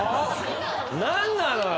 何なのよ！